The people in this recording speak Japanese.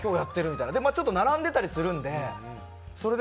ちょっと並んでたりするんでそれで